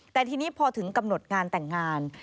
แต่ทีนี้พอถึงกำหนดงานแต่งงาน